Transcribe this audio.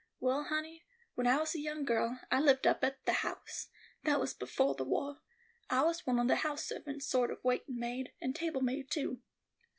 Well, honey, when I was a young girl, I lived up at The House; that was befo' the wah. I was one of the house servants, sort of waitin' maid, and table maid, too.